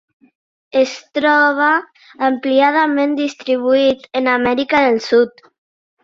Es troba àmpliament distribuït en Amèrica del Sud.